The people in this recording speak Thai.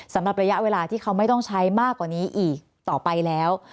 สำหรับระยะเวลาที่เขาไม่ต้องใช้มากกว่านี้อีกต่อไปแล้ว